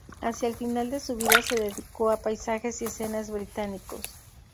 Hacia el final de su vida se dedicó a paisajes y escenas británicos.